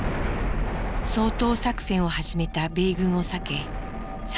掃討作戦を始めた米軍を避けさまよう人々。